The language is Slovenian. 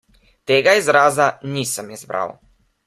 Tega izraza nisem izbral.